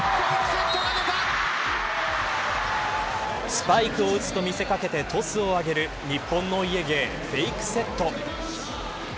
スパイクを打つと見せ掛けてトスを上げる日本のお家芸、フェイクセット。